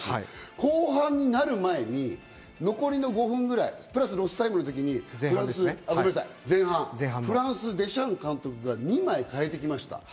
後半になる前に残りの５分ぐらい、プラスロスタイムの時に前半、フランス、デシャン監督が２枚代えてきました。